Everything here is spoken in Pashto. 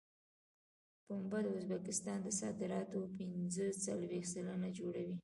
پنبه د ازبکستان د صادراتو پنځه څلوېښت سلنه جوړوي.